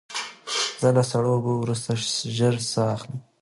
زه له سړو اوبو وروسته ژر ساه اخلم.